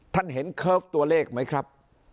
ท่านเห็นเคิร์ฟตัวเลขไหมครับ